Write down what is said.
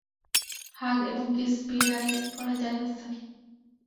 হাগ এবং কিস বিয়ের আগে করা জায়েজ আছে।